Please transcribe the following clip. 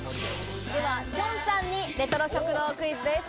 きょんさんにレトロ食堂クイズです。